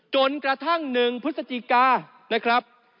จนกระทั่ง๑พฤศจิกานะครับ